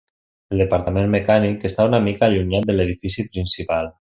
El departament mecànic està una mica allunyat de l'edifici principal.